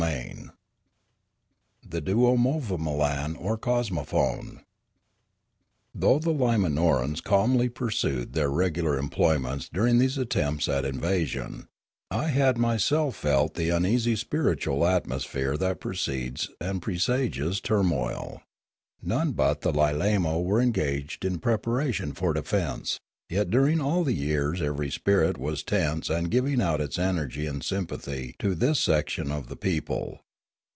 CHAPTER XV THE DUOMOVAMOLAN OR COSMOPHONE THOUGH the Limanorans calmly pursued their regular employments during these attempts at invasion, I had myself felt the uneasy spiritual atmo . sphere that precedes and presages turmoil. None but the Lilamo were engaged in preparation for defence; yet during all the years every spirit was tense and giving out its energy in sympathy to this section of the people.